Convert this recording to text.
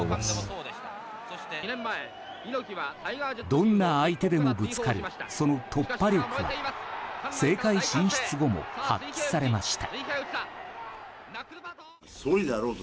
どんな相手でもぶつかるその突破力は政界進出後も発揮されました。